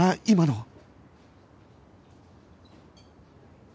今の